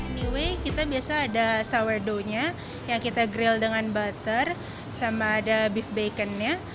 anyway kita biasa ada sourdoughnya yang kita grill dengan butter sama ada beef baconnya